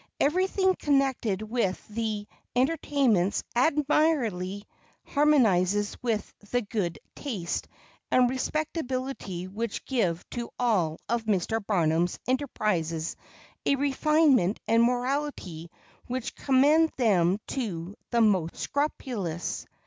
Everything connected with the entertainments admirably harmonizes with the good taste and respectability which give to all of Mr. Barnum's enterprises a refinement and morality which commend them to the most scrupulous.